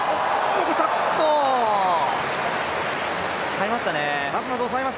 耐えましたね。